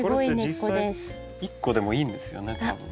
これって実際１個でもいいんですよねたぶん。